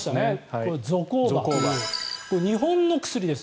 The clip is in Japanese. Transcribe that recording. これは日本の薬です。